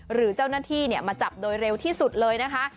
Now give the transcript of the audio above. หรือเจ้าหน้าที่มาจับโดยเร็วที่สุดเลยนะคะ